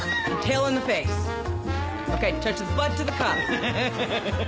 アハハハハ！